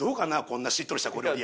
こんなしっとりした小料理屋。